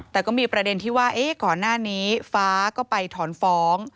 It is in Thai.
แต่ก็มีประเด็นที่ว่าก่อนหน้านี้ฟ้าก็ไปถอนฟ้อง